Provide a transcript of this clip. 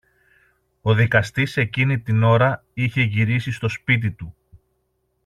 Ο δικαστής εκείνη την ώρα είχε γυρίσει στο σπίτι του